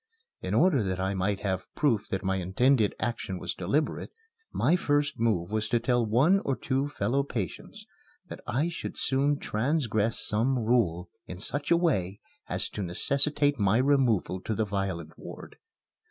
In order that I might have proof that my intended action was deliberate, my first move was to tell one or two fellow patients that I should soon transgress some rule in such a way as to necessitate my removal to the violent ward.